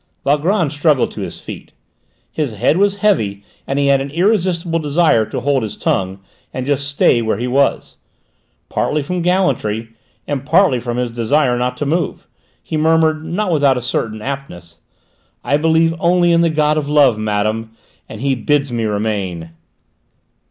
Valgrand struggled to his feet. His head was heavy, and he had an irresistible desire to hold his tongue and just stay where he was. Partly from gallantry and partly from his desire not to move, he murmured, not without a certain aptness: "I believe only in the god of love, madame, and he bids me remain!"